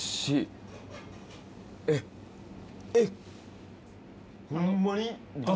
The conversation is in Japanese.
えっえっ？